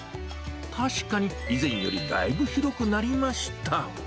確かに以前よりだいぶ広くなりました。